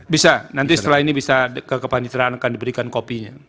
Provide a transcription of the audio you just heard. bisa nanti setelah ini bisa kekepanjeraan akan diberikan copy nya